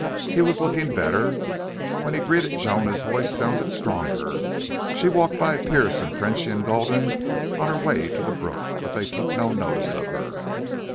He was looking better. When he greeted Joan his voice sounded stronger. She walked by Pearce and Frenchy and Gulden on her way to the brook, but they took no notice of her.